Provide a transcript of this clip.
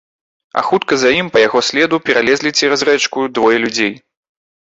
А хутка за ім, па яго следу, пералезлі цераз рэчку двое людзей.